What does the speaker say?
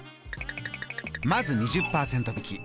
まず２０％引き。